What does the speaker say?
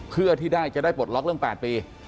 เพื่อที่ได้จะได้ปลดล็อกเรื่อง๘ปี